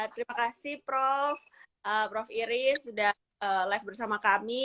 terima kasih prof prof iris sudah live bersama kami